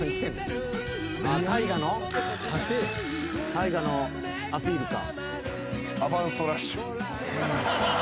大河のアピールか。